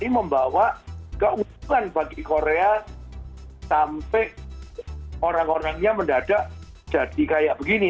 ini membawa keuntungan bagi korea sampai orang orangnya mendadak jadi kayak begini